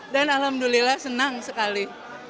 dan alhamdulillah senang sekali